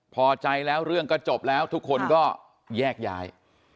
พอใจแล้วเรื่องก็จบแล้วทุกคนก็แยกย้าย